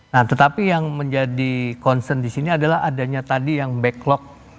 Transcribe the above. nah tetapi yang menjadi concern di sini adalah adanya tadi yang backlog